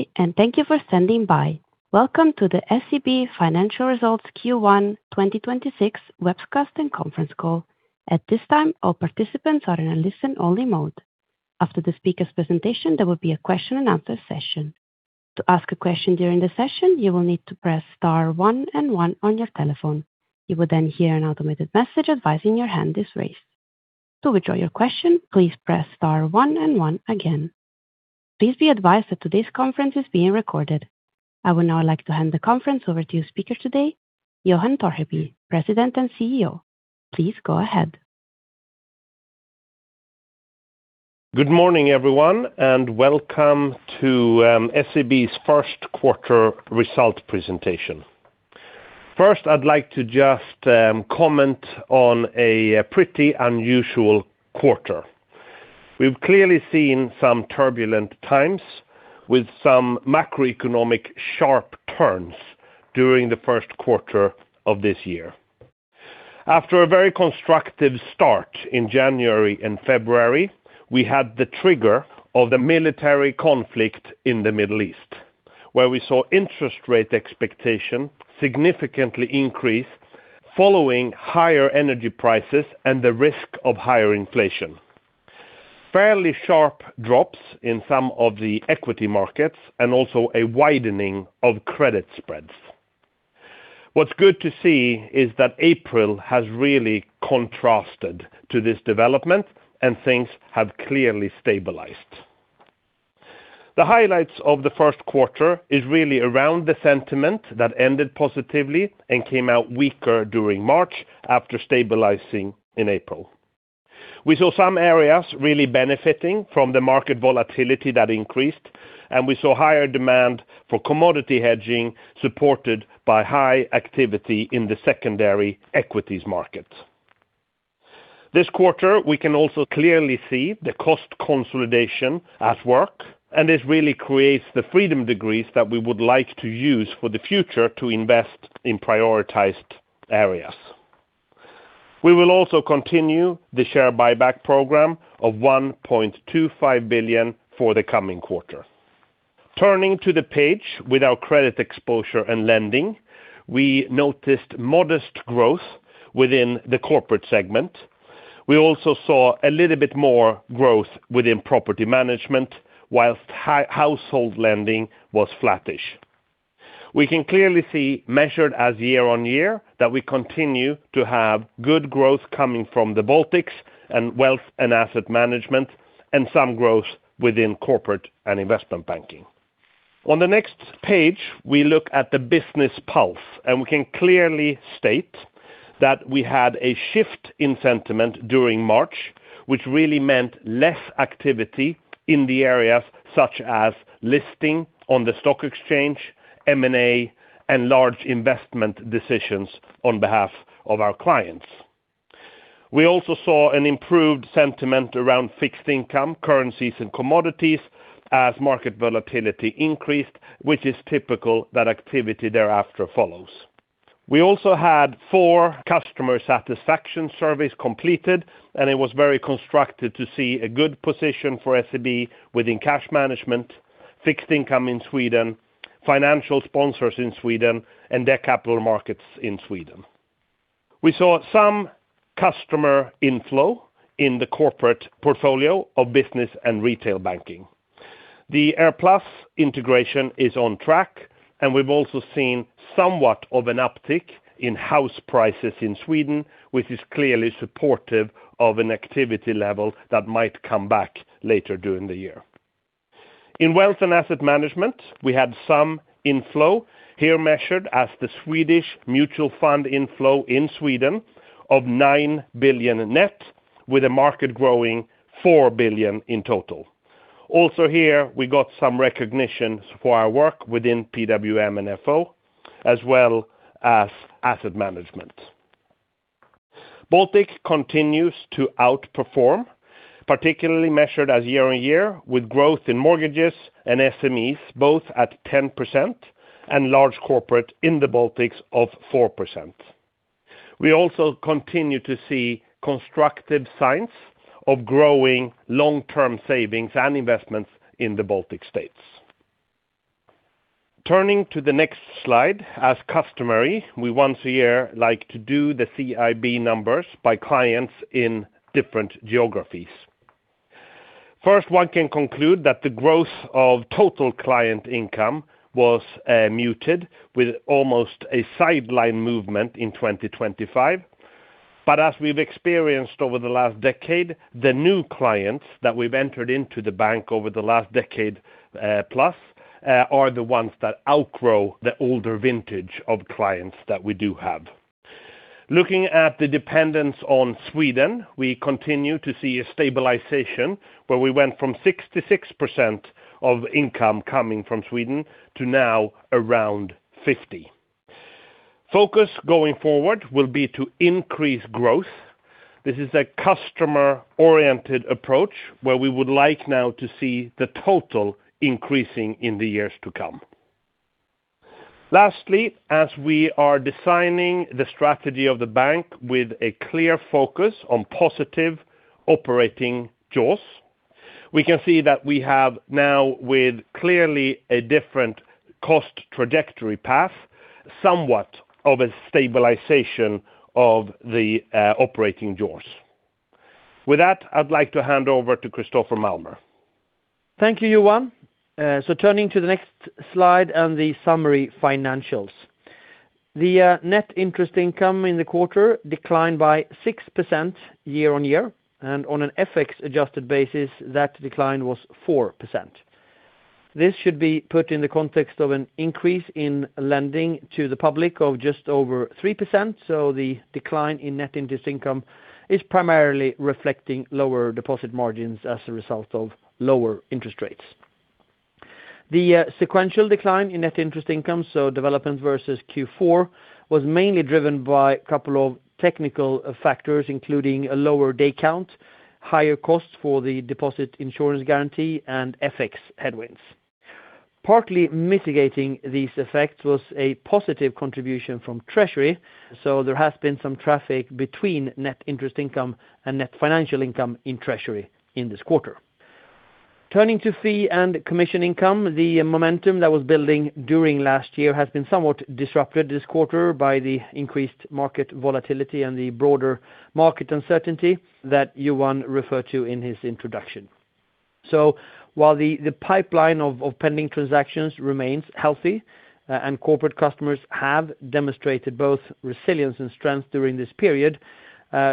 Day, and thank you for standing by. Welcome to the SEB financial results Q1 2026 webcast and conference call. I would now like to hand the conference over to your speaker today, Johan Torgeby, President and CEO. Please go ahead. Good morning, everyone, and welcome to SEB's first quarter result presentation. First, I'd like to just comment on a pretty unusual quarter. We've clearly seen some turbulent times with some macroeconomic sharp turns during the first quarter of this year. After a very constructive start in January and February, we had the trigger of the military conflict in the Middle East, where we saw interest rate expectation significantly increase following higher energy prices and the risk of higher inflation, fairly sharp drops in some of the equity markets and also a widening of credit spreads. What's good to see is that April has really contrasted to this development and things have clearly stabilized. The highlights of the first quarter is really around the sentiment that ended positively and came out weaker during March after stabilizing in April. We saw some areas really benefiting from the market volatility that increased. We saw higher demand for commodity hedging supported by high activity in the secondary equities market. This quarter, we can also clearly see the cost consolidation at work. This really creates the freedom degrees that we would like to use for the future to invest in prioritized areas. We will also continue the share buyback program of 1.25 billion for the coming quarter. Turning to the page with our credit exposure and lending, we noticed modest growth within the corporate segment. We also saw a little bit more growth within property management whilst household lending was flattish. We can clearly see measured as year-over-year that we continue to have good growth coming from the Baltics and Wealth & Asset Management. Some growth within Corporate & Investment Banking. On the next page, we look at the business pulse. We can clearly state that we had a shift in sentiment during March, which really meant less activity in the areas such as listing on the stock exchange, M&A, and large investment decisions on behalf of our clients. We also saw an improved sentiment around fixed income currencies and commodities as market volatility increased, which is typical that activity thereafter follows. We also had four customer satisfaction surveys completed. It was very constructive to see a good position for SEB within cash management, fixed income in Sweden, financial sponsors in Sweden and their capital markets in Sweden. We saw some customer inflow in the corporate portfolio of Business & Retail Banking. The AirPlus integration is on track, and we've also seen somewhat of an uptick in house prices in Sweden, which is clearly supportive of an activity level that might come back later during the year. In wealth and asset management, we had some inflow here measured as the Swedish Mutual Fund inflow in Sweden of 9 billion net, with a market growing 4 billion in total. Also here we got some recognition for our work within PWM and FO as well as asset management. Baltic continues to outperform, particularly measured as year-over-year, with growth in mortgages and SMEs both at 10% and large corporate in the Baltics of 4%. We also continue to see constructive signs of growing long-term savings and investments in the Baltic states. Turning to the next slide, as customary, we once a year like to do the CIB numbers by clients in different geographies. First, one can conclude that the growth of total client income was muted with almost a sideline movement in 2025. As we've experienced over the last decade, the new clients that we've entered into the bank over the last decade, plus, are the ones that outgrow the older vintage of clients that we do have. Looking at the dependence on Sweden, we continue to see a stabilization where we went from 66% of income coming from Sweden to now around 50%. Focus going forward will be to increase growth. This is a customer-oriented approach where we would like now to see the total increasing in the years to come. Lastly, as we are designing the strategy of the bank with a clear focus on positive operating jaws, we can see that we have now with clearly, a different cost trajectory path, somewhat of a stabilization of the operating jaws. With that, I'd like to hand over to Christoffer Malmer. Thank you, Johan. Turning to the next slide and the summary financials. The net interest income in the quarter declined by 6% year-on-year and on an FX adjusted basis that decline was 4%. This should be put in the context of an increase in lending to the public of just over 3%, so the decline in net interest income is primarily reflecting lower deposit margins as a result of lower interest rates. The sequential decline in net interest income, so development versus Q4, was mainly driven by a couple of technical factors, including a lower day count, higher costs for the deposit insurance guarantee and FX headwinds. Partly mitigating these effects was a positive contribution from Treasury, so there has been some traffic between net interest income and net financial income in Treasury in this quarter. Turning to fee and commission income, the momentum that was building during last year has been somewhat disrupted this quarter by the increased market volatility and the broader market uncertainty that Johan referred to in his introduction. While the pipeline of pending transactions remains healthy, and corporate customers have demonstrated both resilience and strength during this period,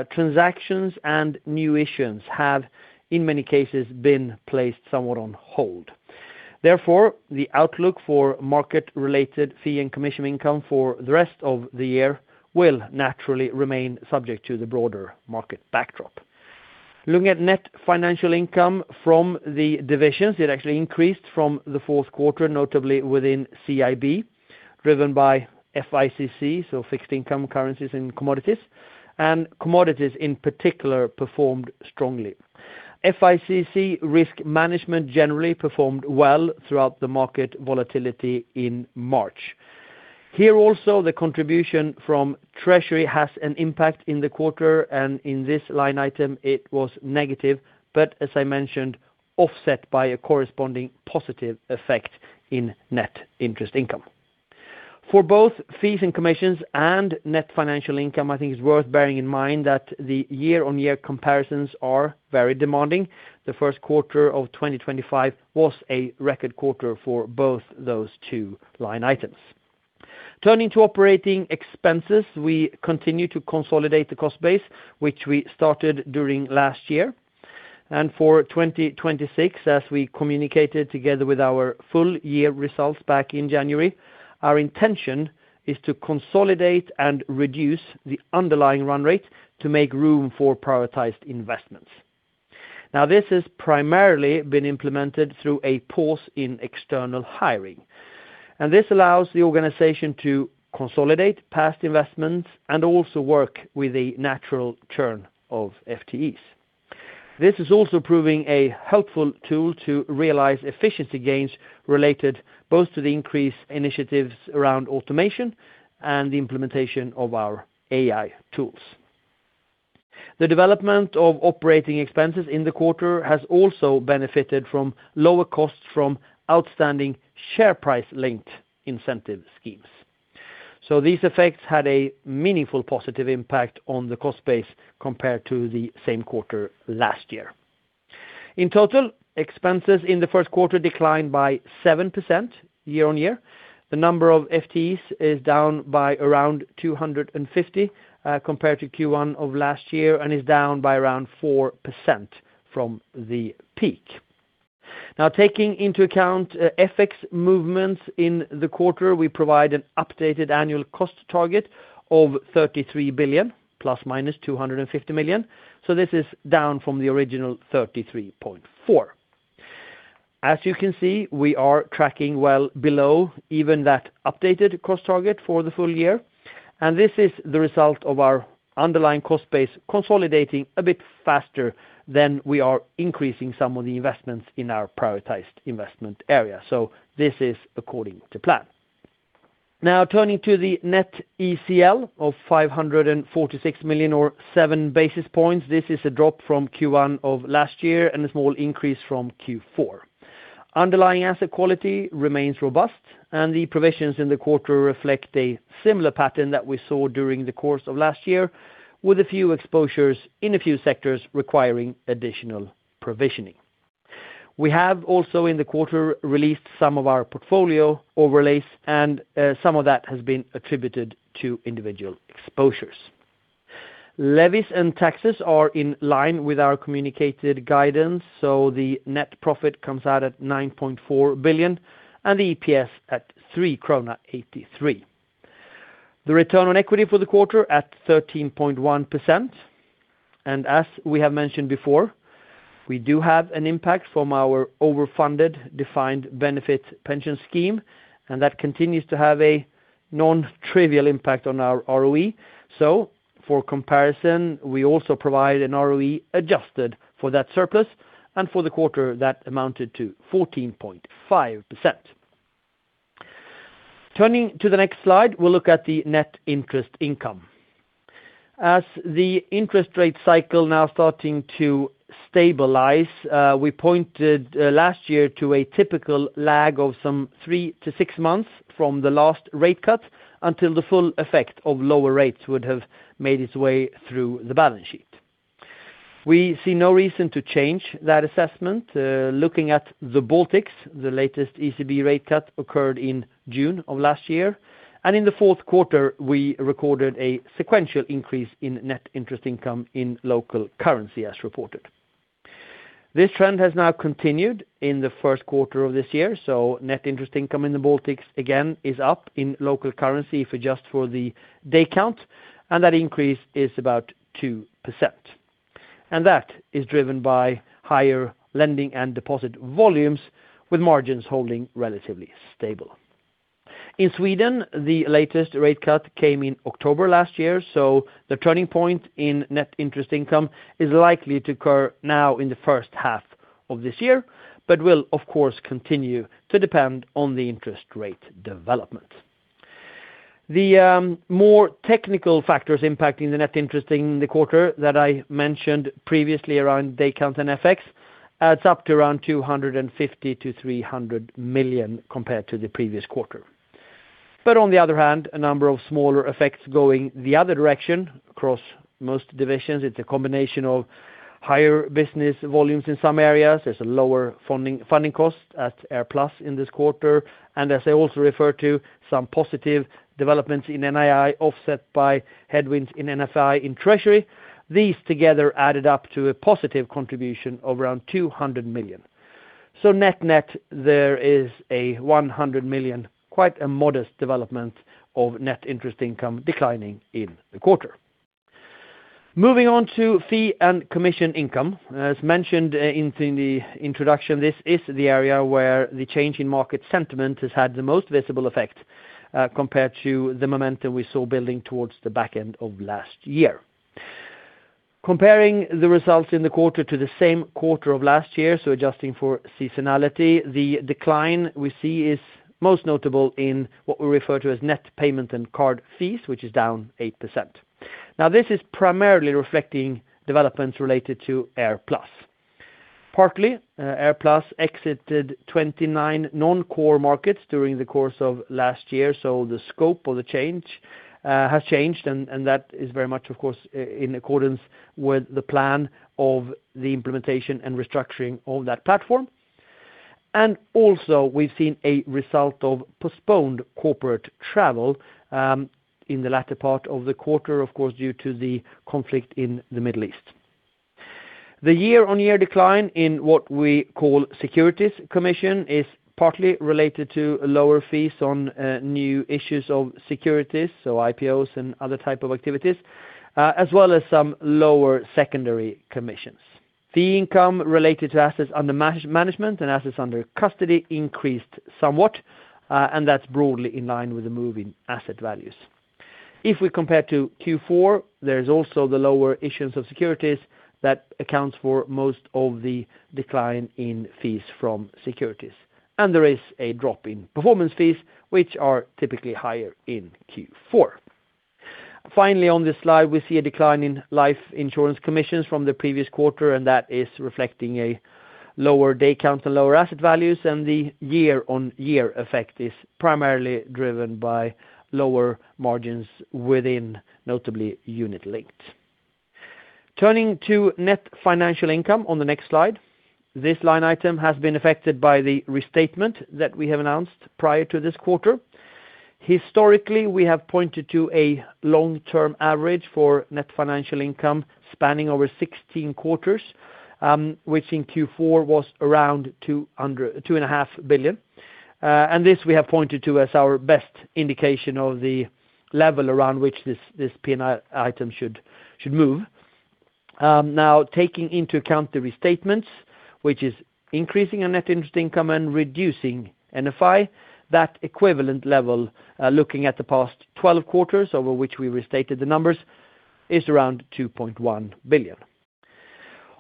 transactions and new issues have, in many cases, been placed somewhat on hold. Therefore, the outlook for market-related fee and commission income for the rest of the year will naturally remain subject to the broader market backdrop. Looking at net financial income from the divisions, it actually increased from the fourth quarter, notably within CIB, driven by FICC, so Fixed Income, Currencies, and Commodities; and Commodities in particular performed strongly. FICC risk management generally performed well throughout the market volatility in March. Here also, the contribution from Treasury has an impact in the quarter, and in this line item it was negative, but as I mentioned, offset by a corresponding positive effect in net interest income. For both fees and commissions and net financial income, I think it's worth bearing in mind that the year-on-year comparisons are very demanding. The first quarter of 2025 was a record quarter for both those two line items. Turning to OpEx, we continue to consolidate the cost base, which we started during last year. For 2026, as we communicated together with our full-year results back in January, our intention is to consolidate and reduce the underlying run rate to make room for prioritized investments. This has primarily been implemented through a pause in external hiring. This allows the organization to consolidate past investments and also work with the natural turn of FTEs. This is also proving a helpful tool to realize efficiency gains related both to the increased initiatives around automation and the implementation of our AI tools. The development of OpEx in the quarter has also benefited from lower costs from outstanding share price-linked incentive schemes. These effects had a meaningful positive impact on the cost base compared to the same quarter last year. In total, expenses in the first quarter declined by 7% year-on-year. The number of FTEs is down by around 250 compared to Q1 of last year and is down by around 4% from the peak. Taking into account FX movements in the quarter, we provide an updated annual cost target of 33 billion ± 250 million. This is down from the original 33.4 billion. As you can see, we are tracking well below even that updated cost target for the full year. This is the result of our underlying cost base consolidating a bit faster than we are increasing some of the investments in our prioritized investment area. This is according to plan. Turning to the net ECL of 546 million or 7 basis points. This is a drop from Q1 of last year and a small increase from Q4. Underlying asset quality remains robust. The provisions in the quarter reflect a similar pattern that we saw during the course of last year, with a few exposures in a few sectors requiring additional provisioning. We have also in the quarter, released some of our portfolio overlays and some of that has been attributed to individual exposures. Levies and taxes are in line with our communicated guidance. The net profit comes out at 9.4 billion and the EPS at 3.83 krona. The return on equity for the quarter at 13.1%. As we have mentioned before, we do have an impact from our overfunded defined benefit pension scheme, and that continues to have a nontrivial impact on our ROE. For comparison, we also provide an ROE adjusted for that surplus, and for the quarter that amounted to 14.5%. Turning to the next slide, we'll look at the net interest income. As the interest rate cycle now starting to stabilize, we pointed last year to a typical lag of some three to six months from the last rate cut until the full effect of lower rates would have made its way through the balance sheet. We see no reason to change that assessment. Looking at the Baltics, the latest ECB rate cut occurred in June of last year, and in the fourth quarter, we recorded a sequential increase in net interest income in local currency as reported. This trend has now continued in the first quarter of this year, so net interest income in the Baltics again is up in local currency if we adjust for the day count, and that increase is about 2%. That is driven by higher lending and deposit volumes, with margins holding relatively stable. In Sweden, the latest rate cut came in October last year, so the turning point in net interest income is likely to occur now in the first half of this year, but will of course continue to depend on the interest rate development. The more technical factors impacting the net interest in the quarter that I mentioned previously around day count and FX adds up to around 250 million-300 million compared to the previous quarter. On the other hand, a number of smaller effects going the other direction across most divisions. It's a combination of higher business volumes in some areas. There's a lower funding cost at AirPlus in this quarter. As I also refer to some positive developments in NII offset by headwinds in NFI in Treasury. These together added up to a positive contribution of around 200 million. Net-net, there is a 100 million, quite a modest development of net interest income declining in the quarter. Moving on to fee and commission income. As mentioned in the introduction, this is the area where the change in market sentiment has had the most visible effect, compared to the momentum we saw building towards the back end of last year. Comparing the results in the quarter to the same quarter of last year, so adjusting for seasonality, the decline we see is most notable in what we refer to as net payment and card fees, which is down 8%. This is primarily reflecting developments related to AirPlus. Partly, AirPlus exited 29 non-core markets during the course of last year, so the scope of the change has changed, and that is very much of course in accordance with the plan of the implementation and restructuring of that platform. We've seen a result of postponed corporate travel in the latter part of the quarter, of course, due to the conflict in the Middle East. The year-on-year decline in what we call securities commission is partly related to lower fees on new issues of securities, so IPOs and other type of activities, as well as some lower secondary commissions. Fee income related to assets under management and assets under custody increased somewhat, and that's broadly in line with the move in asset values. If we compare to Q4, there's also the lower issuance of securities that accounts for most of the decline in fees from securities. There is a drop in performance fees, which are typically higher in Q4. Finally, on this slide, we see a decline in life insurance commissions from the previous quarter, and that is reflecting a lower day count and lower asset values, and the year-over-year effect is primarily driven by lower margins within notably [Unit Linked]. Turning to net financial income on the next slide. This line item has been affected by the restatement that we have announced prior to this quarter. Historically, we have pointed to a long-term average for net financial income spanning over 16 quarters, which in Q4 was around 2.5 billion. This we have pointed to as our best indication of the level around which this item should move. Now taking into account the restatements, which is increasing our net interest income and reducing NFI, that equivalent level, looking at the past 12 quarters over which we restated the numbers, is around 2.1 billion.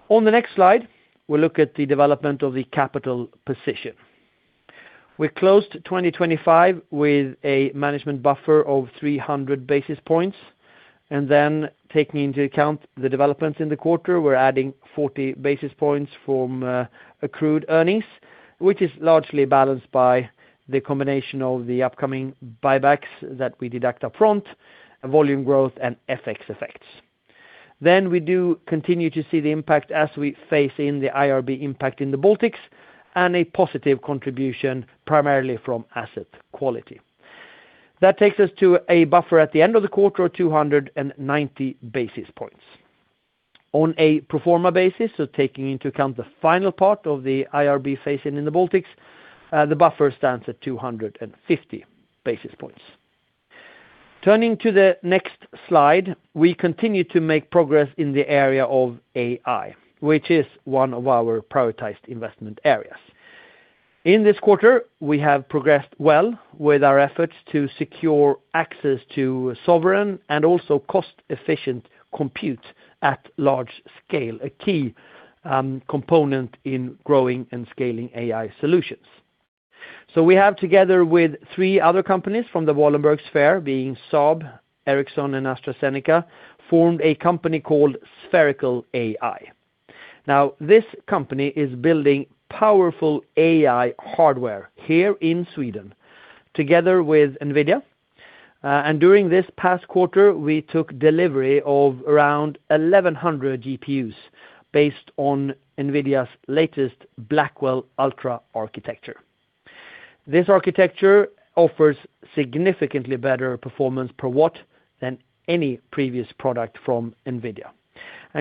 On the next slide, we'll look at the development of the capital position. We closed 2025 with a management buffer of 300 basis points taking into account the developments in the quarter, we're adding 40 basis points from accrued earnings, which is largely balanced by the combination of the upcoming buybacks that we deduct up front, volume growth, and FX effects. We do continue to see the impact as we phase in the IRB impact in the Baltics and a positive contribution primarily from asset quality. That takes us to a buffer at the end of the quarter of 290 basis points. On a pro forma basis, so taking into account the final part of the IRB phase-in in the Baltics, the buffer stands at 250 basis points. Turning to the next slide, we continue to make progress in the area of AI, which is one of our prioritized investment areas. In this quarter, we have progressed well with our efforts to secure access to sovereign and also cost-efficient compute at large scale, a key component in growing and scaling AI solutions. We have, together with three other companies from the Wallenberg Sphere, being Saab, Ericsson, and AstraZeneca, formed a company called Sferical AI. Now, this company is building powerful AI hardware here in Sweden together with NVIDIA. During this past quarter, we took delivery of around 1,100 GPUs based on NVIDIA's latest Blackwell Ultra architecture. This architecture offers significantly better performance per watt than any previous product from NVIDIA.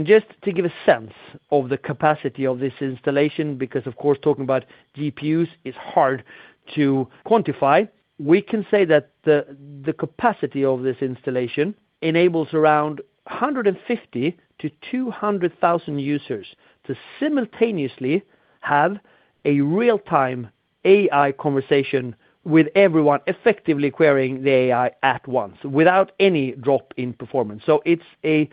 Just to give a sense of the capacity of this installation, because, of course, talking about GPUs is hard to quantify, we can say that the capacity of this installation enables around 150,000-200,000 users to simultaneously have a real-time AI conversation with everyone, effectively querying the AI at once without any drop in performance. It's a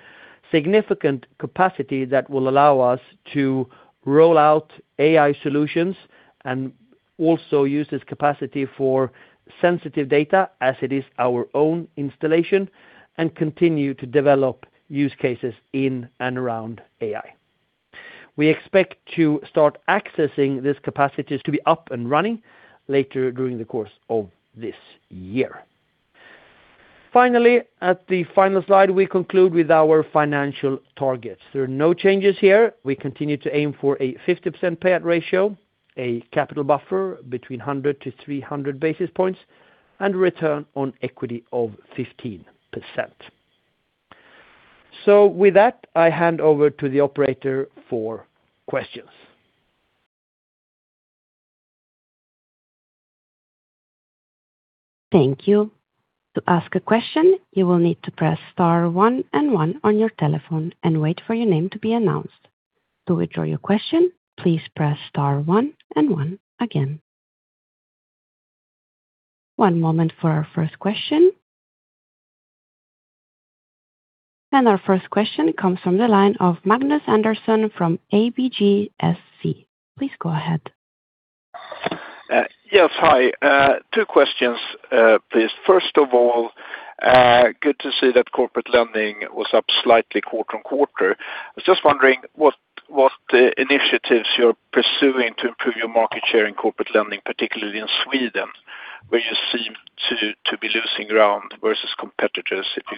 significant capacity that will allow us to roll out AI solutions and also use this capacity for sensitive data as it is our own installation and continue to develop use cases in and around AI. We expect to start accessing these capacities to be up and running later during the course of this year. At the final slide, we conclude with our financial targets. There are no changes here. We continue to aim for a 50% payout ratio, a capital buffer between 100-300 basis points, and return on equity of 15%. With that, I hand over to the operator for questions. Thank you. To ask a question, you will need to press star one and one on your telephone and wait for your name to be announced. To withdraw your question, please press star one and one again. One moment for our first question. Our first question comes from the line of Magnus Andersson from ABGSC. Please go ahead. Yes. Hi. Two questions, please. First of all, good to see that corporate lending was up slightly quarter-on-quarter. I was just wondering what initiatives you're pursuing to improve your market share in corporate lending, particularly in Sweden, where you seem to be losing ground versus competitors. If you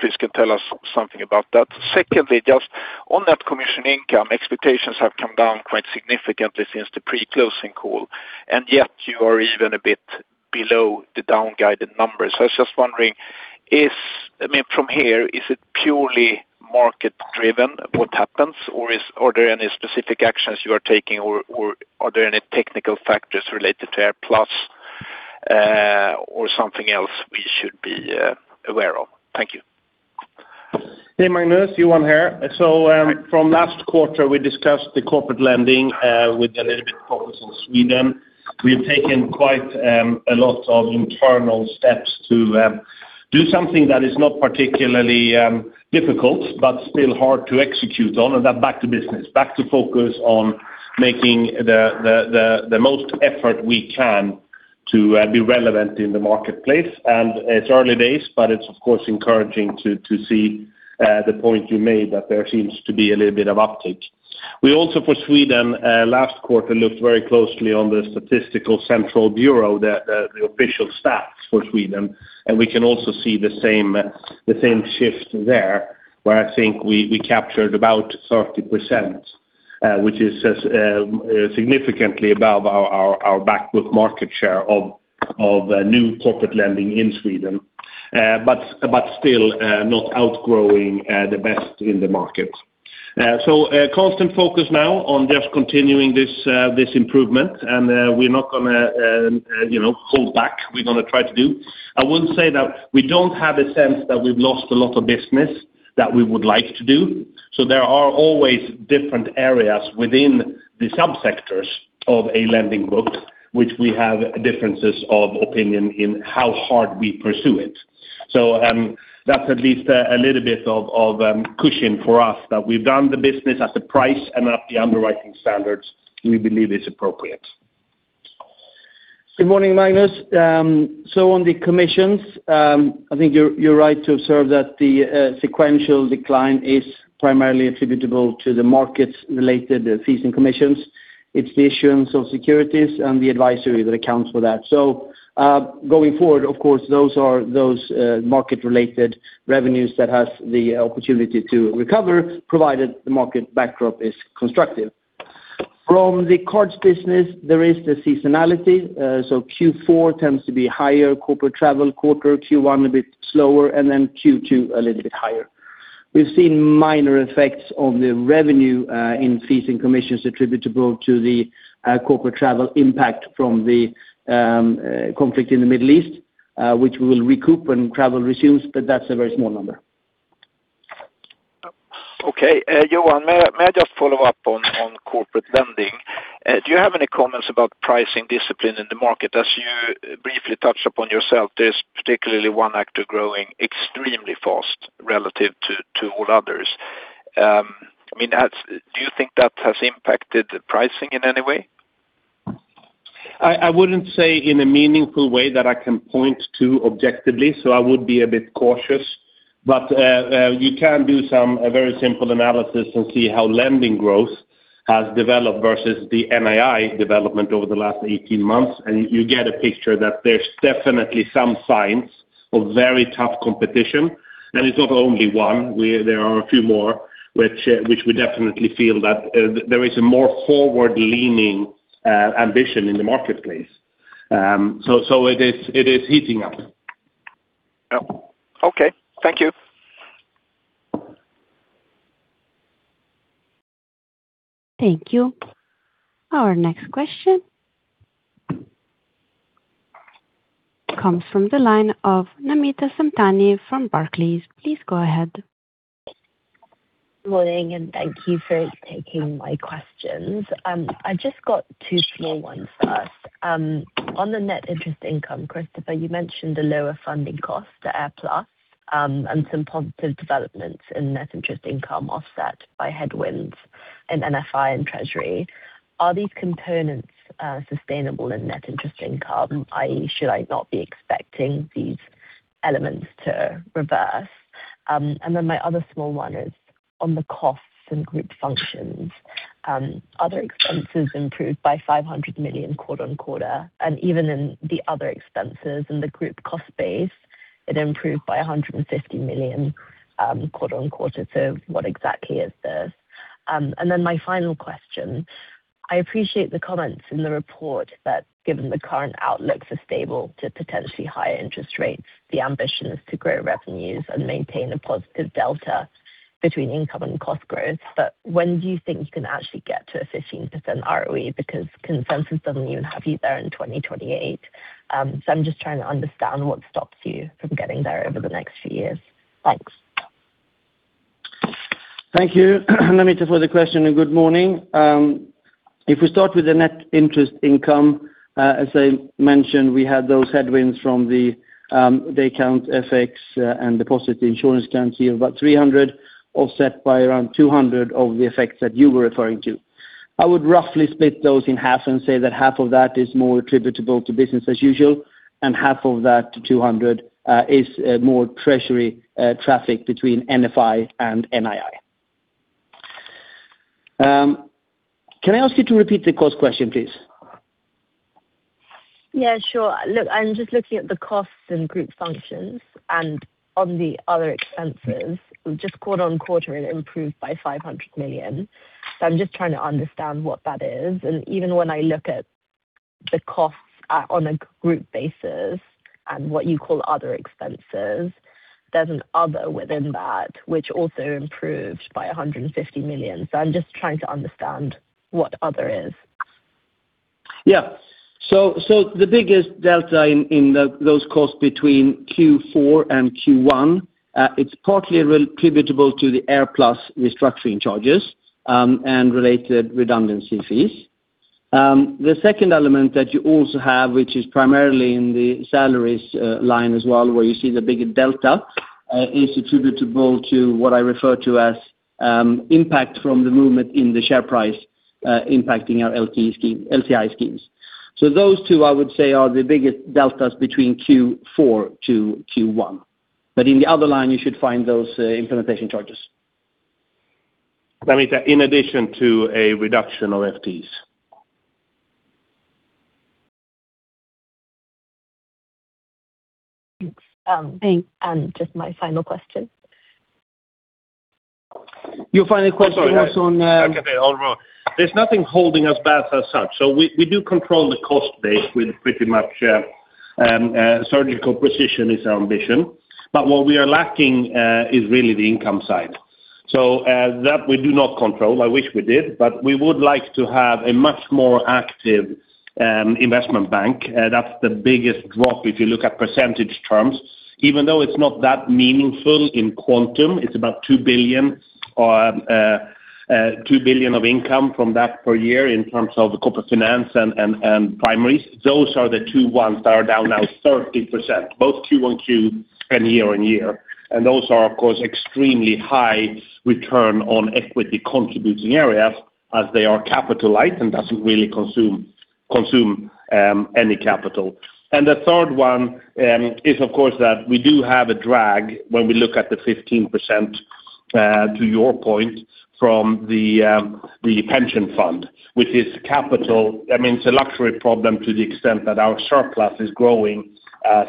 please can tell us something about that. Secondly, just on that commission income, expectations have come down quite significantly since the pre-closing call, and yet you are even a bit below the down-guided numbers. I was just wondering from here, is it purely market-driven, what happens, or are there any specific actions you are taking or are there any technical factors related to AirPlus or something else we should be aware of? Thank you. Hey, Magnus. Johan here. From last quarter, we discussed the corporate lending with a little bit focus on Sweden. We've taken quite a lot of internal steps to do something that is not particularly difficult, but still hard to execute on. Back to business. Back to focus on making the most effort we can to be relevant in the marketplace. It's early days, but it's of course encouraging to see the point you made that there seems to be a little bit of uptick. We also, for Sweden, last quarter, looked very closely on Statistics Sweden, the, the official stats for Sweden, and we can also see the same, the same shift there, where I think we captured about 30%, which is significantly above our, our back book market share of new corporate lending in Sweden. Still, not outgrowing the best in the market. Constant focus now on just continuing this improvement. We're not gonna, you know, hold back. We're gonna try to do. I will say that we don't have a sense that we've lost a lot of business that we would like to do. There are always different areas within the subsectors of a lending book, which we have differences of opinion in how hard we pursue it. That's at least a little bit of cushion for us that we've done the business at the price and at the underwriting standards we believe is appropriate. Good morning, Magnus. On the commissions, I think you're right to observe that the sequential decline is primarily attributable to the markets-related fees and commissions. It's the issuance of securities and the advisory that accounts for that. Going forward, of course, those are those market-related revenues that has the opportunity to recover, provided the market backdrop is constructive. From the cards business, there is the seasonality. Q4 tends to be higher corporate travel quarter, Q1 a bit slower, and then Q2 a little bit higher. We've seen minor effects on the revenue in fees and commissions attributable to the corporate travel impact from the conflict in the Middle East, which we will recoup when travel resumes, but that's a very small number. Okay. Johan, may I just follow up on corporate lending? Do you have any comments about pricing discipline in the market? As you briefly touched upon yourself, there's particularly one actor growing extremely fast relative to all others. I mean, do you think that has impacted the pricing in any way? I wouldn't say in a meaningful way that I can point to objectively, so I would be a bit cautious. You can do a very simple analysis and see how lending growth has developed versus the NII development over the last 18 months, and you get a picture that there's definitely some signs of very tough competition. It's not only one. There are a few more which we definitely feel that there is a more forward-leaning ambition in the marketplace. So it is heating up. Oh, okay. Thank you. Thank you. Our next question comes from the line of Namita Samtani from Barclays. Please go ahead. Morning, thank you for taking my questions. I just got two small ones first. On the net interest income, Christoffer, you mentioned the lower funding cost to AirPlus, and some positive developments in net interest income offset by headwinds in NFI and Treasury. Are these components sustainable in net interest income, i.e., should I not be expecting these elements to reverse? My other small one is on the costs and group functions. Other expenses improved by 500 million quarter-on-quarter, even in the other expenses in the group cost base, it improved by 150 million quarter-on-quarter. What exactly is this? My final question. I appreciate the comments in the report that given the current outlook for stable to potentially higher interest rates, the ambition is to grow revenues and maintain a positive delta between income and cost growth. When do you think you can actually get to a 15% ROE? Consensus doesn't even have you there in 2028. I'm just trying to understand what stops you from getting there over the next few years. Thanks. Thank you, Namita, for the question. Good morning. If we start with the net interest income, as I mentioned, we had those headwinds from the day count FX and deposit insurance guarantee of about 300 million offset by around 200 million of the effects that you were referring to. I would roughly split those in half and say that half of that is more attributable to business as usual, half of that 200 million is more Treasury traffic between NFI and NII. Can I ask you to repeat the cost question, please? Yeah, sure. Look, I’m just looking at the costs and group functions, and on the other expenses, just quarter-on-quarter it improved by 500 million. I’m just trying to understand what that is. Even when I look at the costs on a group basis and what you call other expenses, there’s an other within that which also improved by 150 million. I’m just trying to understand what other is. Yeah. The biggest delta in the costs between Q4 and Q1, it's partly attributable to the AirPlus restructuring charges and related redundancy fees. The second element that you also have, which is primarily in the salaries line as well, where you see the bigger delta, is attributable to what I refer to as impact from the movement in the share price, impacting our LTI schemes. Those two, I would say, are the biggest deltas between Q4 to Q1. In the other line you should find those implementation charges. Namita, in addition to a reduction of FTEs. Thanks. Just my final question. Your final question was on— I'm sorry. I got that all wrong. There's nothing holding us back as such. We do control the cost base with pretty much surgical precision is our ambition. What we are lacking is really the income side. That we do not control. I wish we did, but we would like to have a much more active investment bank. That's the biggest drop if you look at percentage terms. Even though it's not that meaningful in quantum, it's about 2 billion of income from that per year in terms of the corporate finance and primaries. Those are the two ones that are down now 30%, both QoQ and year-on-year. Those are, of course, extremely high return on equity-contributing areas as they are capital light and doesn't really consume any capital. The third one is of course that we do have a drag when we look at the 15%, to your point, from the pension fund. I mean, it's a luxury problem to the extent that our surplus is growing as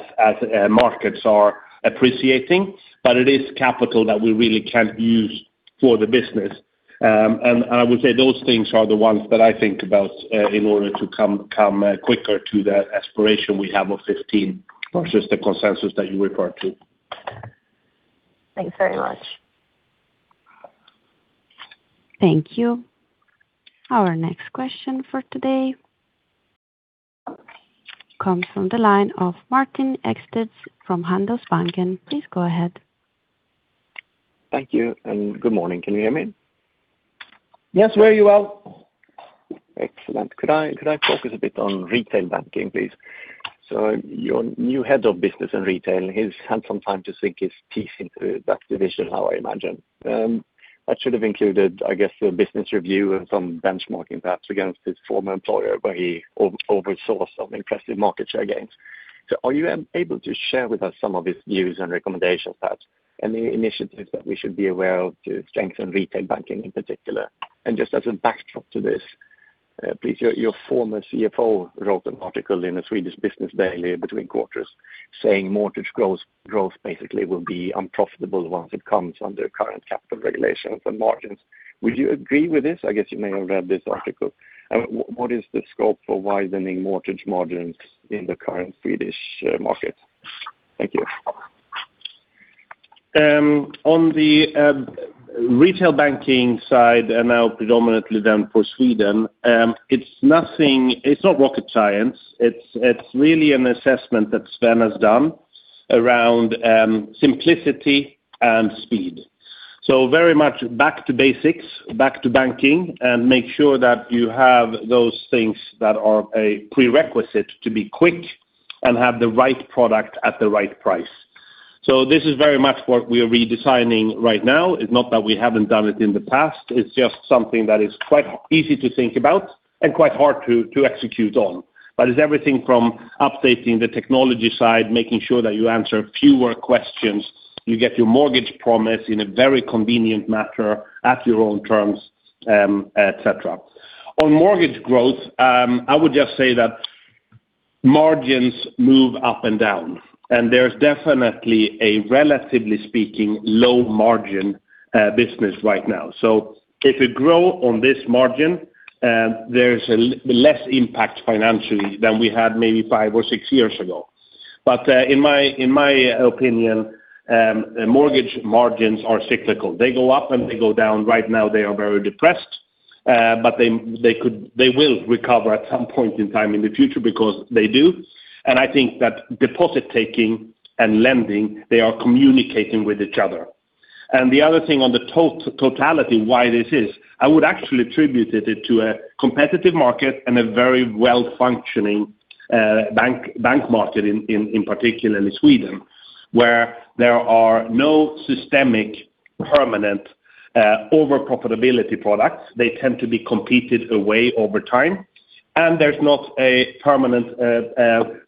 markets are appreciating, but it is capital that we really can't use for the business. And I would say those things are the ones that I think about in order to come quicker to that aspiration we have of 15% versus the consensus that you referred to. Thanks very much. Thank you. Our next question for today comes from the line of Martin Ekstedt from Handelsbanken. Please go ahead. Thank you, and good morning. Can you hear me? Yes, very well. Excellent. Could I focus a bit on Retail Banking, please? Your new head of business and retail, he's had some time to sink his teeth into that division, how I imagine. That should have included, I guess, the business review and some benchmarking perhaps against his former employer, where he oversaw some impressive market share gains. Are you able to share with us some of his views and recommendations, perhaps, any initiatives that we should be aware of to strengthen Retail Banking in particular? Just as a backdrop to this, please, your former CFO wrote an article in a Swedish business daily between quarters saying mortgage growth basically will be unprofitable once it comes under current capital regulations and margins. Would you agree with this? I guess you may have read this article. What is the scope for widening mortgage margins in the current Swedish market? Thank you. On the Retail Banking side, and now predominantly then for Sweden, it's not rocket science. It's really an assessment that Sven has done around simplicity and speed. Very much back to basics, back to banking, and make sure that you have those things that are a prerequisite to be quick and have the right product at the right price. This is very much what we are redesigning right now. It's not that we haven't done it in the past. It's just something that is quite easy to think about and quite hard to execute on. It's everything from updating the technology side, making sure that you answer fewer questions, you get your mortgage promise in a very convenient manner at your own terms, et cetera. On mortgage growth, I would just say that margins move up and down, and there's definitely a, relatively speaking, low-margin business right now. If you grow on this margin, there's a less impact financially than we had maybe five or six years ago. In my opinion, mortgage margins are cyclical. They go up, and they go down. Right now, they are very depressed. They will recover at some point in time in the future because they do. I think that deposit taking and lending, they are communicating with each other. The other thing on the totality why this is, I would actually attribute it to a competitive market and a very well-functioning bank market in particularly Sweden, where there are no systemic permanent over-profitability products. They tend to be competed away over time. There's not a permanent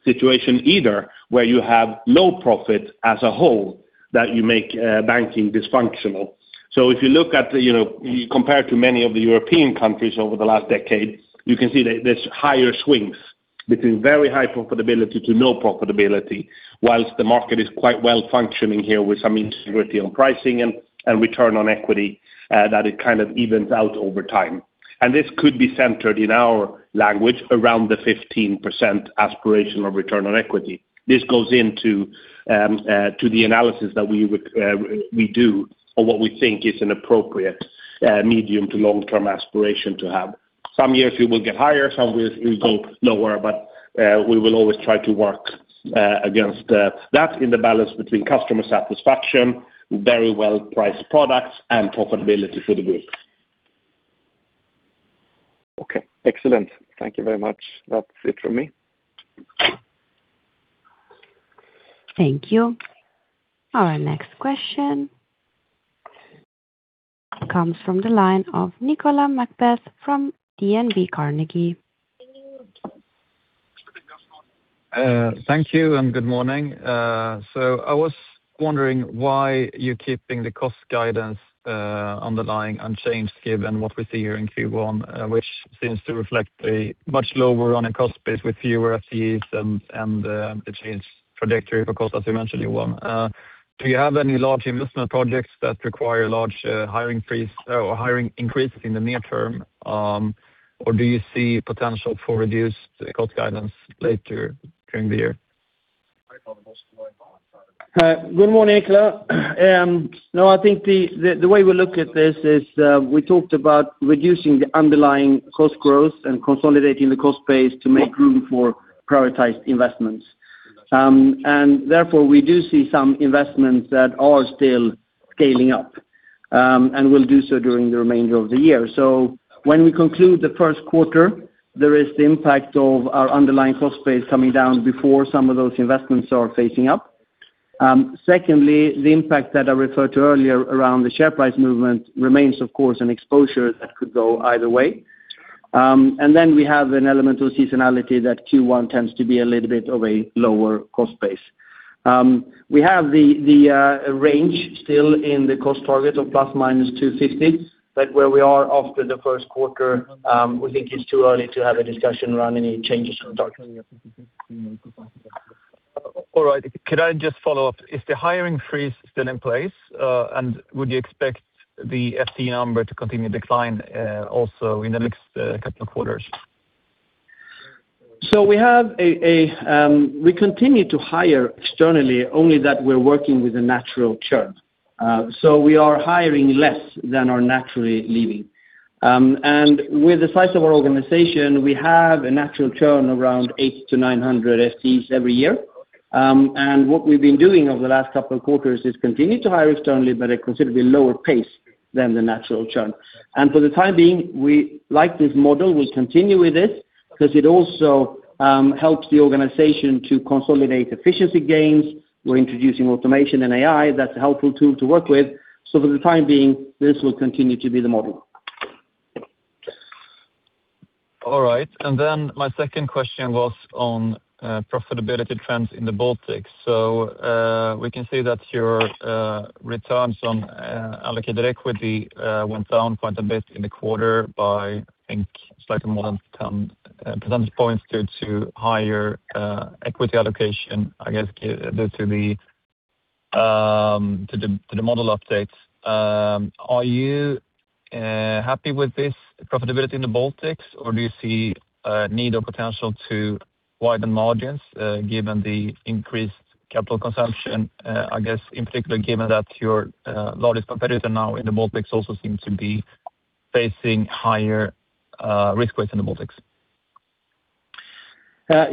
situation either, where you have low profit as a whole that you make banking dysfunctional. If you look at, you know, compared to many of the European countries over the last decade, you can see that there's higher swings between very high profitability to no profitability, whilst the market is quite well-functioning here with some integrity on pricing and return on equity that it kind of evens out over time. This could be centered in our language around the 15% aspirational return on equity. This goes into to the analysis that we would we do on what we think is an appropriate medium to long-term aspiration to have. Some years we will get higher, some years we go lower, but we will always try to work against that in the balance between customer satisfaction, very well-priced products, and profitability for the group. Okay, excellent. Thank you very much. That's it from me. Thank you. Our next question comes from the line of Nicolas McBeath from DNB Carnegie. Thank you, good morning. I was wondering why you're keeping the cost guidance, underlying unchanged given what we see here in Q1, which seems to reflect a much lower running cost base with fewer FTEs and the changed trajectory for cost as you mentioned you want. Do you have any large investment projects that require a large hiring increase in the near term? Or do you see potential for reduced cost guidance later during the year? Good morning, Nicolas. No, I think the way we look at this is, we talked about reducing the underlying cost growth and consolidating the cost base to make room for prioritized investments. Therefore, we do see some investments that are still scaling up and will do so during the remainder of the year. When we conclude the first quarter, there is the impact of our underlying cost base coming down before some of those investments are phasing up. Secondly, the impact that I referred to earlier around the share price movement remains, of course, an exposure that could go either way. Then we have an element of seasonality that Q1 tends to be a little bit of a lower cost base. We have the range still in the cost target of ±250 million, but where we are after the first quarter, we think it is too early to have a discussion around any changes in target. All right. Could I just follow up? Is the hiring freeze still in place? Would you expect the FTE number to continue to decline, also in the next couple of quarters? We continue to hire externally, only that we're working with a natural churn. We are hiring less than are naturally leaving. With the size of our organization, we have a natural churn around 800-900 FTEs every year. What we've been doing over the last couple of quarters is continue to hire externally but at considerably lower pace than the natural churn. For the time being, we like this model, we continue with it because it also helps the organization to consolidate efficiency gains. We're introducing automation and AI, that's a helpful tool to work with. For the time being, this will continue to be the model. All right. My second question was on profitability trends in the Baltics. We can see that your returns on allocated equity went down quite a bit in the quarter by, I think, slightly more than 10 percentage points due to higher equity allocation, I guess, due to the model updates. Are you happy with this profitability in the Baltics, or do you see a need or potential to widen margins given the increased capital consumption? I guess, in particular, given that your largest competitor now in the Baltics also seems to be facing higher risk weights in the Baltics.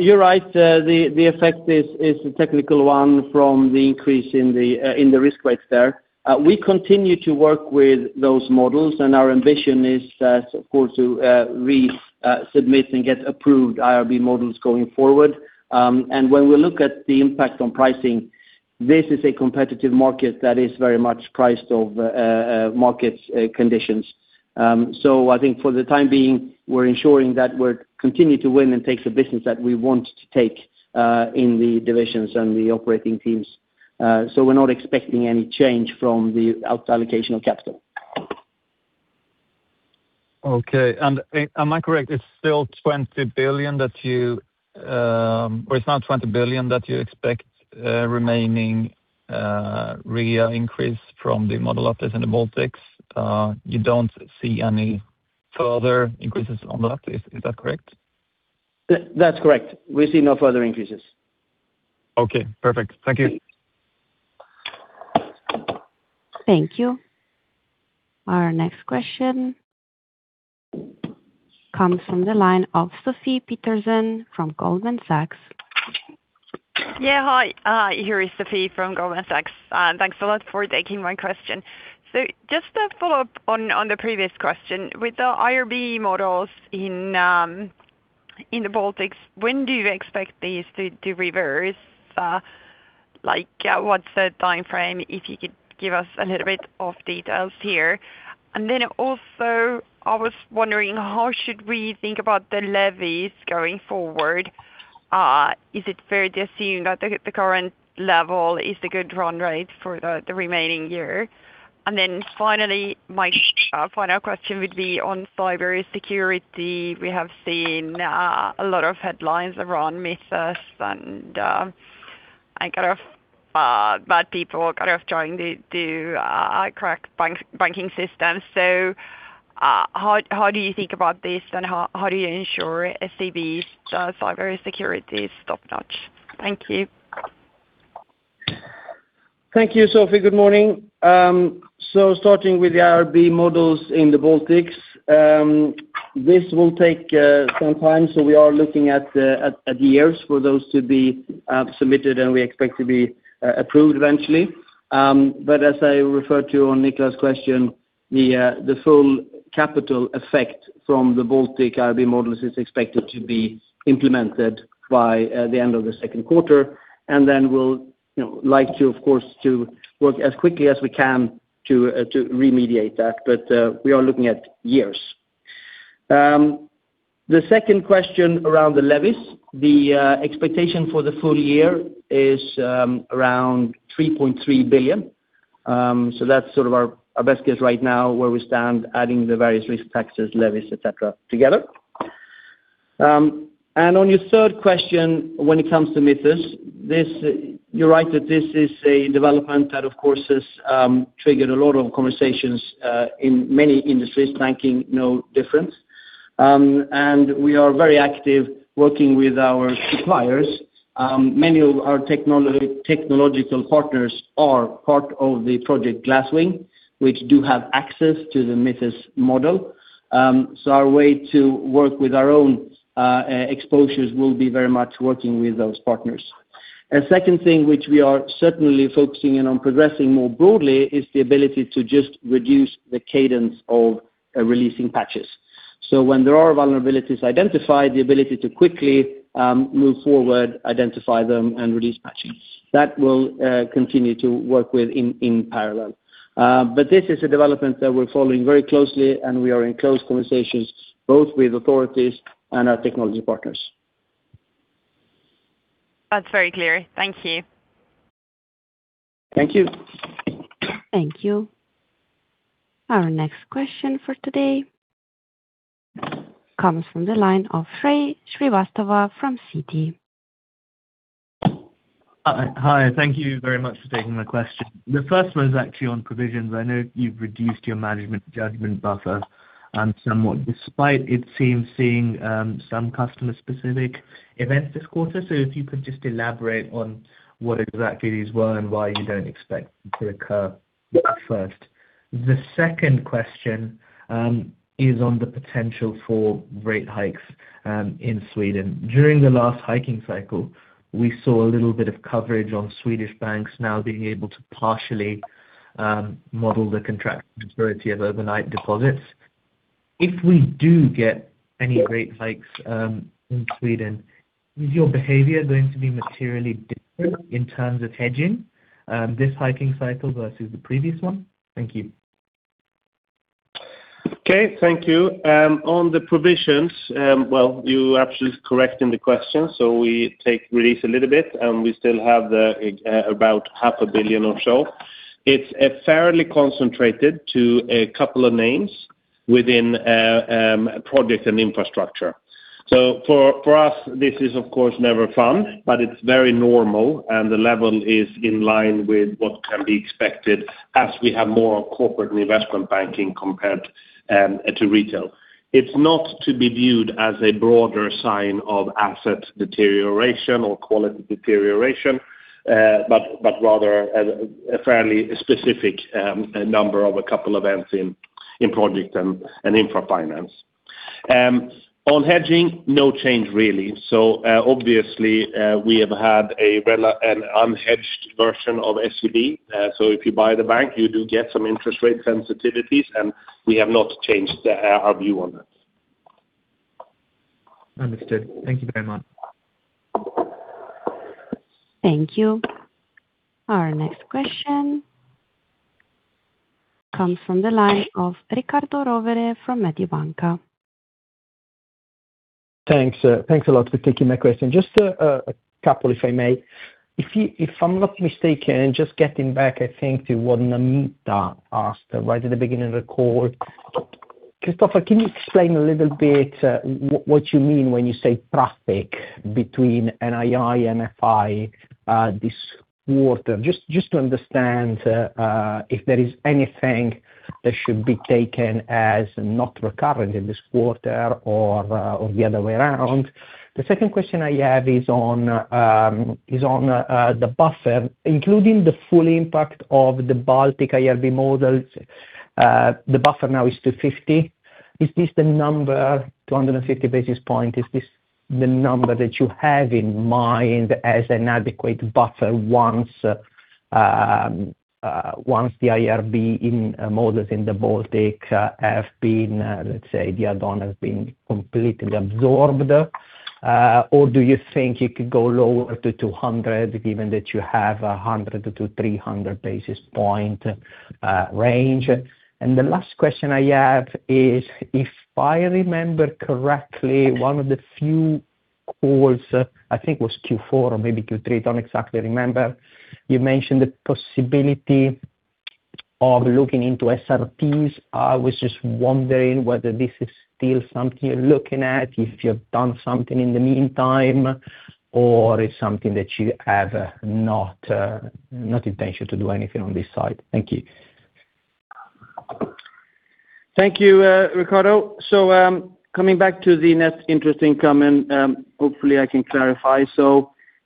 You're right. The effect is a technical one from the increase in the risk weights there. We continue to work with those models, our ambition is, of course, to resubmit and get approved IRB models going forward. When we look at the impact on pricing, this is a competitive market that is very much priced over markets conditions. I think for the time being, we're ensuring that we continue to win and take the business that we want to take in the divisions and the operating teams. We're not expecting any change from the out allocation of capital. Okay. Am I correct, it's still 20 billion that you—it's now 20 billion that you expect remaining REA increase from the model updates in the Baltics? You don't see any further increases on that. Is that correct? That's correct. We see no further increases. Okay, perfect. Thank you. Thank you. Our next question comes from the line of Sofie Peterzens from Goldman Sachs. Hi, here is Sofie from Goldman Sachs. Thanks a lot for taking my question. Just a follow-up on the previous question. With the IRB models in the Baltics, when do you expect these to reverse? Like, what's the timeframe, if you could give us a little bit of details here. Also, I was wondering, how should we think about the levies going forward? Is it fair to assume that the current level is the good run rate for the remaining year? Finally, my final question would be on cybersecurity. We have seen a lot of headlines around Mythos and kind of bad people kind of trying to do crack banking systems. How do you think about this, and how do you ensure SEB's cybersecurity is top-notch? Thank you. Thank you, Sofie. Good morning. Starting with the IRB models in the Baltics, this will take some time, we are looking at years for those to be submitted, and we expect to be approved eventually. As I referred to on Nicolas' question, the full capital effect from the Baltic IRB models is expected to be implemented by the end of the second quarter. We'll, you know, like to, of course, to work as quickly as we can to remediate that. We are looking at years. The second question around the levies, the expectation for the full year is around 3.3 billion. That's sort of our best guess right now where we stand, adding the various risk taxes, levies, et cetera, together. On your third question, when it comes to Mythos, you're right that this is a development that, of course, has triggered a lot of conversations in many industries, banking no different. We are very active working with our suppliers. Many of our technological partners are part of Project Glasswing, which do have access to the Mythos model. Our way to work with our own exposures will be very much working with those partners. A second thing which we are certainly focusing in on progressing more broadly is the ability to just reduce the cadence of releasing patches. When there are vulnerabilities identified, the ability to quickly move forward, identify them, and release patches. That we'll continue to work with in parallel. This is a development that we're following very closely, and we are in close conversations both with authorities and our technology partners. That's very clear. Thank you. Thank you. Thank you. Our next question for today comes from the line of Shrey Srivastava from Citi. Hi. Thank you very much for taking my question. The first one is actually on provisions. I know you've reduced your management judgment buffer somewhat despite it seems seeing some customer-specific events this quarter. If you could just elaborate on what exactly these were and why you don't expect them to occur first. The second question is on the potential for rate hikes in Sweden. During the last hiking cycle, we saw a little bit of coverage on Swedish banks now being able to partially model the contract security of overnight deposits. If we do get any rate hikes in Sweden, is your behavior going to be materially different in terms of hedging this hiking cycle versus the previous one? Thank you. Okay. Thank you. On the provisions, well, you are actually correct in the question, we take relief a little bit, and we still have the about 500 million or so. It is fairly concentrated to a couple of names within project and infrastructure. For us, this is of course, never fun, but it is very normal, and the level is in line with what can be expected as we have more corporate and investment banking compared to retail. It is not to be viewed as a broader sign of asset deterioration or quality deterioration, but rather as a fairly specific number of a couple events in project and infra finance. On hedging, no change really. Obviously, we have had an unhedged version of SEB. If you buy the bank, you do get some interest rate sensitivities, and we have not changed the our view on that. Understood. Thank you very much. Thank you. Our next question comes from the line of Riccardo Rovere from Mediobanca. Thanks. Thanks a lot for taking my question. Just a couple if I may. If I'm not mistaken, just getting back, I think to what Namita asked right at the beginning of the call. Christoffer, can you explain a little bit what you mean when you say traffic between NII and NFI this quarter? Just to understand if there is anything that should be taken as not recurrent in this quarter or the other way around. The second question I have is on the buffer, including the full impact of the Baltic IRB models. The buffer now is 250 basis points. Is this the number 250 basis points? Is this the number that you have in mind as an adequate buffer once once the IRB in models in the Baltic have been, let's say the add-on has been completely absorbed? Or do you think you could go lower to 200 basis points, given that you have a 100-300 basis-point range? The last question I have is, if I remember correctly, one of the few calls, I think it was Q4 or maybe Q3, I don't exactly remember. You mentioned the possibility of looking into SRTs. I was just wondering whether this is still something you're looking at, if you've done something in the meantime, or it's something that you have not intention to do anything on this side. Thank you. Thank you, Riccardo. Coming back to the net interest income and, hopefully, I can clarify.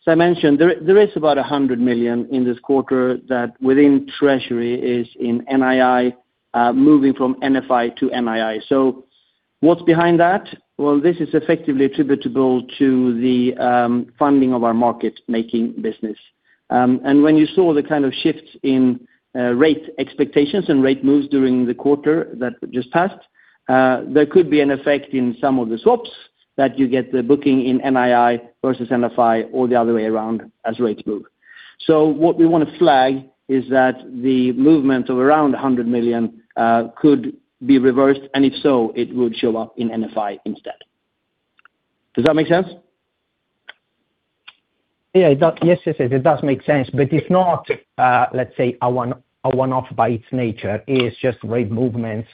As I mentioned, there is about 100 million in this quarter that within Treasury is in NII, moving from NFI to NII. What's behind that? Well, this is effectively attributable to the funding of our market-making business. When you saw the kind of shifts in rate expectations and rate moves during the quarter that just passed, there could be an effect in some of the swaps that you get the booking in NII versus NFI or the other way around as rates move. What we wanna flag is that the movement of around 100 million could be reversed, and if so, it would show up in NFI instead. Does that make sense? Yeah, it does. Yes, it does make sense. It's not, let's say, a one-off by its nature. It's just rate movements.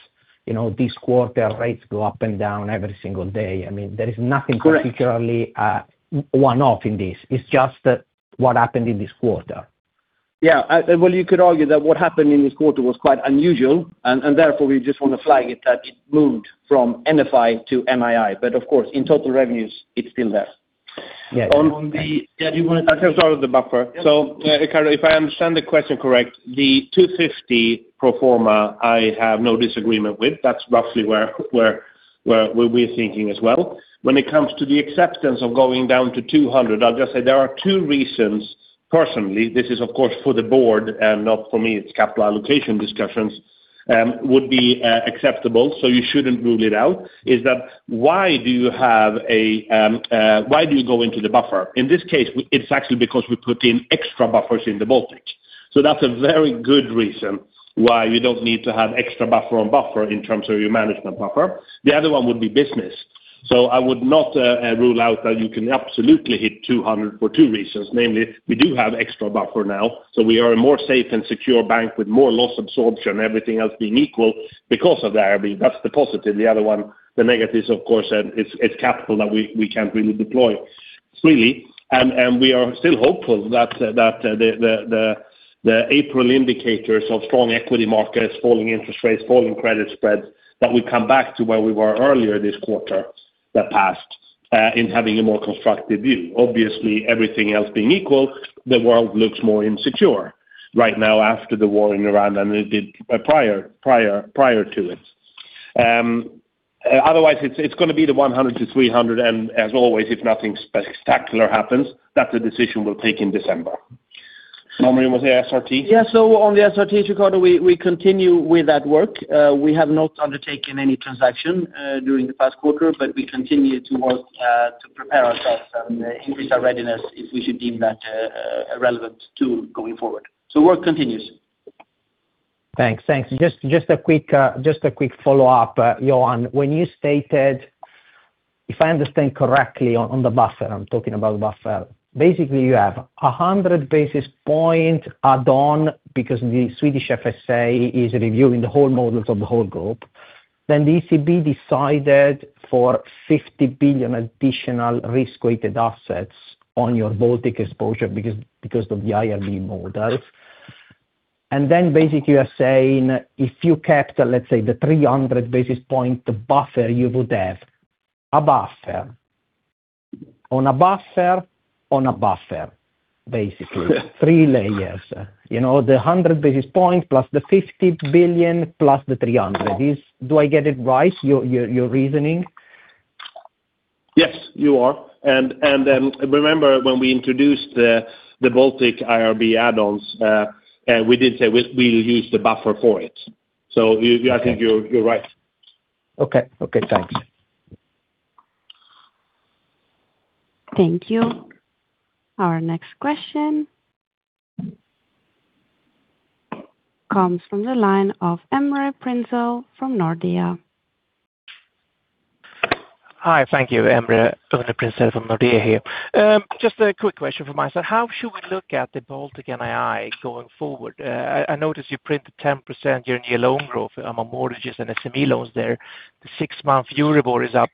You know, this quarter, rates go up and down every single day. I mean, there is nothing— Correct. Particularly, one-off in this. It's just what happened in this quarter. Yeah. Well, you could argue that what happened in this quarter was quite unusual, and therefore, we just want to flag it that it moved from NFI to NII. Of course, in total revenues, it's still there. Yeah. On, on the—yeah, you wanna take— Sorry, the buffer. Riccardo, if I understand the question correctly, the 250 basis points pro forma, I have no disagreement with. That's roughly where we're thinking as well. When it comes to the acceptance of going down to 200 basis points, I'll just say there are two reasons, personally. This is, of course, for the Board and not for me, it's capital allocation discussions, would be acceptable. You shouldn't rule it out. Is that why do you have a, why do you go into the buffer? In this case, it's actually because we put in extra buffers in the Baltic. That's a very good reason why you don't need to have extra buffer on buffer in terms of your management buffer. The other one would be business. I would not rule out that you can absolutely hit 200 basis points for two reasons. Namely, we do have extra buffer now, we are a more safe and secure bank with more loss absorption, everything else being equal because of the IRB. That's the positive. The other one, the negative, of course, it's capital that we can't really deploy freely. We are still hopeful that the April indicators of strong equity markets, falling interest rates, falling credit spreads, that we come back to where we were earlier this quarter that passed in having a more constructive view. Obviously, everything else being equal, the world looks more insecure right now after the war in Iran than it did prior to it. Otherwise, it's gonna be the 100-300 basis points, and as always, if nothing spectacular happens, that's the decision we'll take in December. Remind me, was there SRT? Yeah. On the SRT, Riccardo, we continue with that work. We have not undertaken any transaction, during the past quarter, but we continue to work, to prepare ourselves and increase our readiness if we should deem that, relevant to going forward. Work continues. Thanks. Thanks. Just a quick follow-up, Johan. When you stated, if I understand correctly on the buffer, I'm talking about buffer. Basically, you have a 100 basis-point add-on because the Swedish FSA is reviewing the whole models of the whole group. The ECB decided for 50 billion additional risk-weighted assets on your Baltic exposure because of the IRB models. Basically, you are saying if you kept, let's say, the 300 basis-point buffer, you would have a buffer on a buffer on a buffer, basically. Yeah. Three layers. You know, the 100 basis point plus the 50 billion plus the 300 basis points. Do I get it right, your, your reasoning? Yes, you are. Remember when we introduced the Baltic IRB add-ons, we did say we'll use the buffer for it. Okay. I think you're right. Okay. Okay, thanks. Thank you. Our next question comes from the line of Emre Prinzell from Nordea. Hi. Thank you. Emre Prinzell from Nordea here. Just a quick question from my side. How should we look at the Baltic NII going forward? I notice you printed 10% year-over-year loan growth among mortgages and SME loans there. The six-month Euribor is up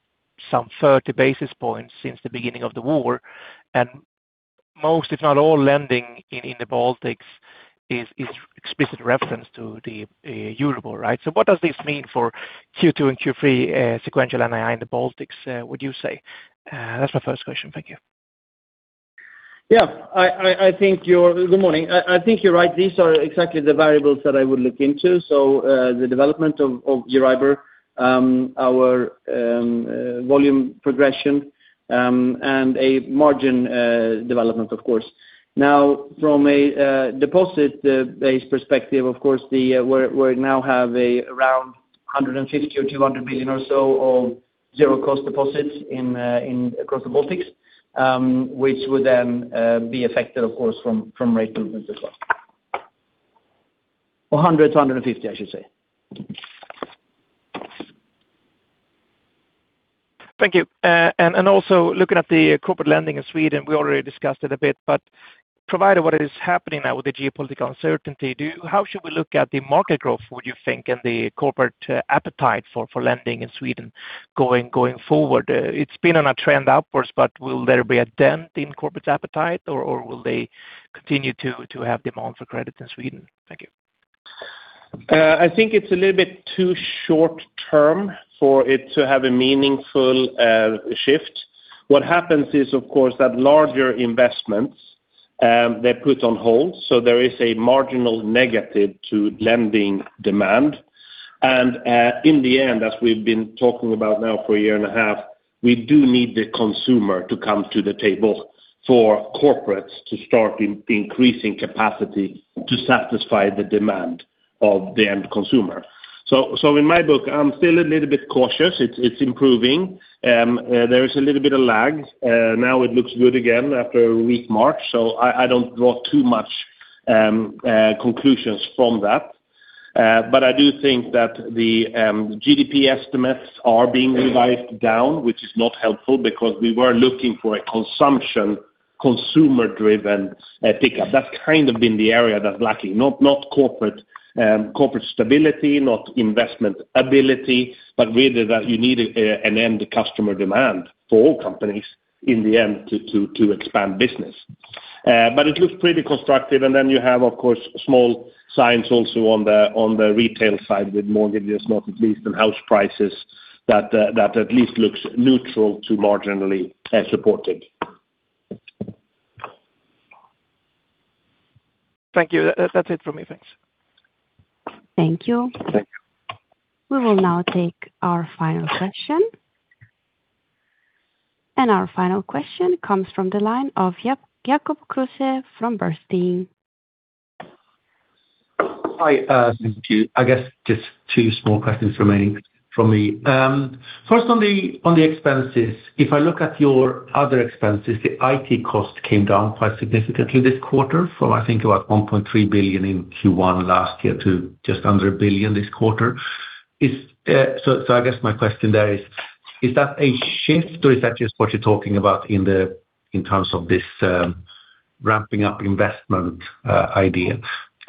some 30 basis points since the beginning of the war, and most, if not all lending in the Baltics is explicit reference to the Euribor, right? What does this mean for Q2 and Q3 sequential NII in the Baltics, would you say? That's my first question. Thank you. Good morning. I think you're right. These are exactly the variables that I would look into. The development of Euribor, our volume progression, and a margin development, of course. Now, from a deposit base perspective, of course, we now have around 150 billion-200 billion or so of zero cost deposits across the Baltics, which would then be affected of course from rate movements as well. 100 billion-150 billion, I should say. Thank you. Also looking at the corporate lending in Sweden, we already discussed it a bit, but provided what is happening now with the geopolitical uncertainty, how should we look at the market growth, would you think, and the corporate appetite for lending in Sweden going forward? It's been on a trend upwards, but will there be a dent in corporate appetite or will they continue to have demand for credit in Sweden? Thank you. I think it's a little bit too short term for it to have a meaningful shift. What happens is, of course, that larger investments, they're put on hold, so there is a marginal negative to lending demand. In the end, as we've been talking about now for a year and a half, we do need the consumer to come to the table for corporates to start in-increasing capacity to satisfy the demand of the end consumer. In my book, I'm still a little bit cautious. It's improving. There is a little bit of lag. Now it looks good again after a weak March, so I don't draw too much conclusions from that. I do think that the GDP estimates are being revised down, which is not helpful because we were looking for a consumption consumer-driven pickup. That's kind of been the area that's lacking. Not corporate stability, not investment ability, but really that you need an end customer demand for all companies in the end to expand business. It looks pretty constructive. You have, of course, small signs also on the retail side with mortgages, not at least on house prices, that at least looks neutral to marginally supported. Thank you. That's it from me. Thanks. Thank you. We will now take our final question. Our final question comes from the line of Jacob Kruse from Bernstein. Hi. Thank you. I guess just two small questions remaining from me. First on the expenses. If I look at your other expenses, the IT cost came down quite significantly this quarter from I think about 1.3 billion in Q1 last year to just under 1 billion this quarter. So I guess my question there is that a shift or is that just what you're talking about in terms of this ramping up investment idea?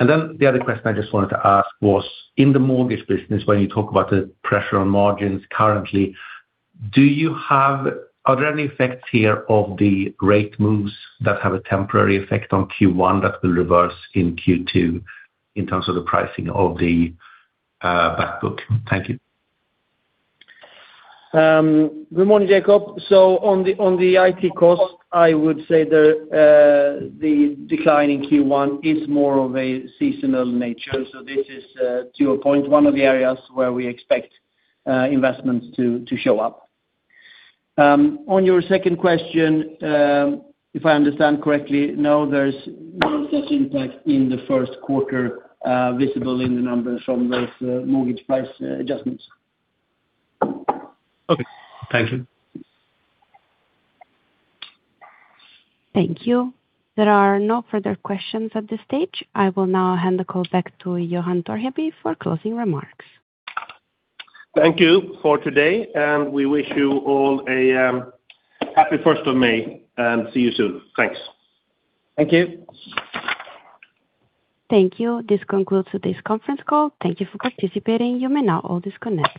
Then the other question I just wanted to ask was, in the mortgage business, when you talk about the pressure on margins currently, are there any effects here of the rate moves that have a temporary effect on Q1 that will reverse in Q2 in terms of the pricing of the back book? Thank you. Good morning, Jacob. On the IT cost, I would say the decline in Q1 is more of a seasonal nature. This is, to your point, one of the areas where we expect investments to show up. On your second question, if I understand correctly, no, there's no such impact in the first quarter visible in the numbers from those mortgage price adjustments. Okay. Thank you. Thank you. There are no further questions at this stage. I will now hand the call back to Johan Torgeby for closing remarks. Thank you for today. We wish you all a happy first of May, and see you soon. Thanks. Thank you. Thank you. This concludes today's conference call. Thank you for participating. You may now all disconnect.